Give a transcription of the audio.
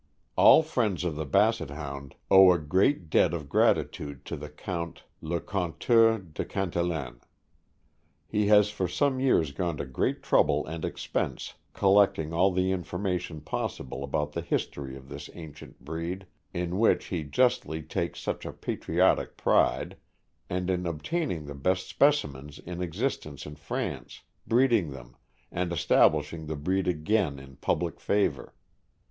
All friends of the Basset Hound owe a great debt of gratitude to the Count le Couteult de Canteleu. He has for some years gone to great trouble and expense collect ing all the information possible about the history of this ancient breed, in which he justly takes such a patriotic pride, and in obtaining the best specimens in existence in France, breeding them, and establishing the breed again in public favor.